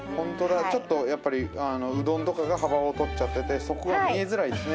ちょっとうどんとかが幅をとっちゃってて底が見えづらいですね